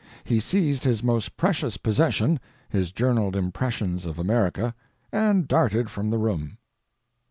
He seized his most precious possession; his journaled Impressions of America, and darted from the room.